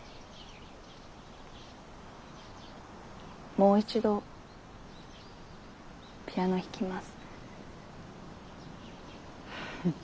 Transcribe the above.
もう一度ピアノ弾きます。